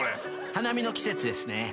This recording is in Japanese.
花見の季節ですね。